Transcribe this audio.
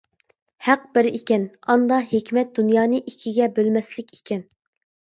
ھەق بىر ئىكەن، ئاندا ھېكمەت دۇنيانى ئىككىگە بۆلمەسلىك ئىكەن.